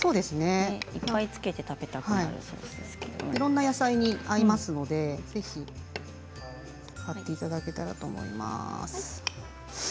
いっぱいつけて食べたくなるいろんな野菜に合いますので、ぜひかけていただけたらと思います。